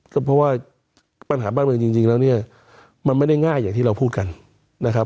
ก็เพราะว่าปัญหาบ้านเมืองจริงแล้วเนี่ยมันไม่ได้ง่ายอย่างที่เราพูดกันนะครับ